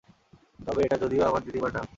তবে এটা যদিও আমার দিদিমার নাম।